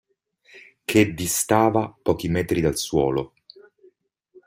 Che distava pochi metri dal suolo.